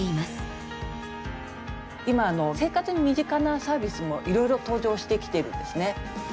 今生活に身近なサービスもいろいろ登場してきてるんですね。